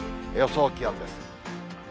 予想気温です。